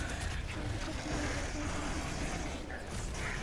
নিজেরটা ফিরিয়ে নেবার গল্প তোমাকে শোনাব।